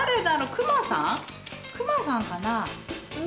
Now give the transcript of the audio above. クマさんかな？